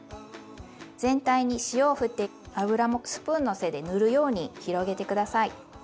全体に塩をふって油もスプーンの背で塗るように広げて下さい。